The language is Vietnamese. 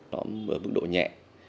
lõm ở mức độ nhẹ